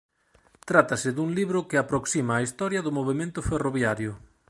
Trátase dun libro que aproxima a historia do movemento ferroviario.